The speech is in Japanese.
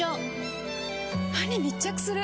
歯に密着する！